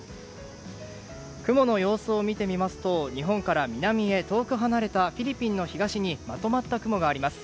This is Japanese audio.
雲の様子を見てみますと日本から南へ遠く離れたフィリピンの東にまとまった雲があります。